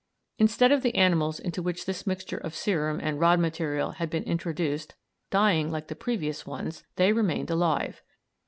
Instead of the animals into which this mixture of serum and "rod material" had been introduced dying like the previous ones, they remained alive.